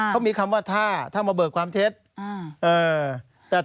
เขามีคำว่าถ้ามาเบิกความเท็จ